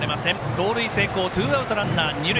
盗塁成功ツーアウト、ランナー、二塁。